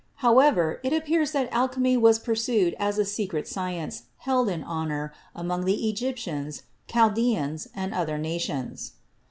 However, it appears that alchemy was pursued as a secret science, held in honor, among the Egyptians, Chaldeans and other nations.